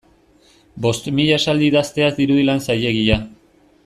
Bost mila esaldi idaztea ez dirudi lan zailegia.